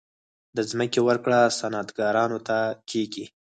د ځمکې ورکړه صنعتکارانو ته کیږي